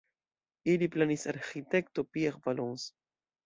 Ilin planis arĥitekto Pierre Valence.